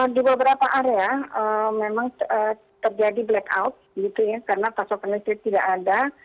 di beberapa area memang terjadi blackout gitu ya karena pasokan listrik tidak ada